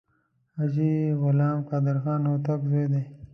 حاجي غلام قادر خان هوتک زوی دی.